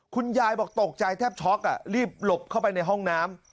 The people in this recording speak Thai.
คุณยายบอกตกใจแทบช็อกรีบหลบเข้าไปในห้องน้ำ